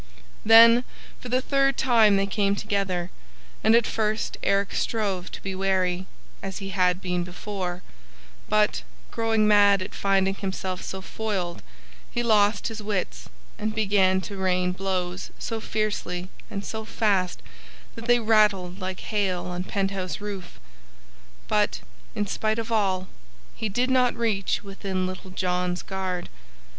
Then for the third time they came together, and at first Eric strove to be wary, as he had been before; but, growing mad at finding himself so foiled, he lost his wits and began to rain blows so fiercely and so fast that they rattled like hail on penthouse roof; but, in spite of all, he did not reach within Little John's guard.